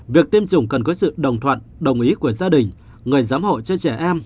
việc tiêm chủng cần có sự đồng thuận đồng ý của gia đình người giám hộ trên trẻ em